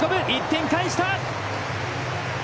１点返した！